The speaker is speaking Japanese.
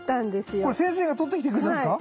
あらこれ先生が撮ってきてくれたんですか？